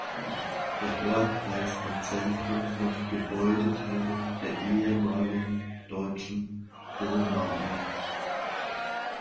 Der Ort weist im Zentrum noch Gebäudeteile der ehemaligen deutschen Boma auf.